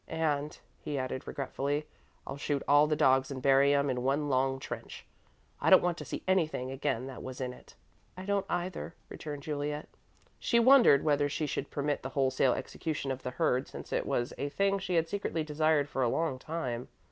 "And," he added, regretfully, "I'll shoot all the dogs and bury 'em in one long trench. I don't want to see anything again that was in it." "I don't either," returned Juliet. She wondered whether she should permit the wholesale execution of the herd, since it was a thing she had secretly desired for a long time.